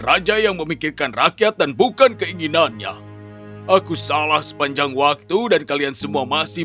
raja yang memikirkan rakyat dan bukan keinginannya aku salah sepanjang waktu dan kalian semua masih